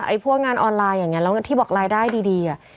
ไอ้พวกงานออนไลน์อย่างงั้นแล้วกันที่บอกรายได้ดี